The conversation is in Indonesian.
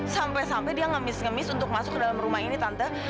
sampai sampai dia ngemis ngemis untuk masuk ke dalam rumah ini tante